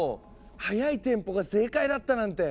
速いテンポが正解だったなんて。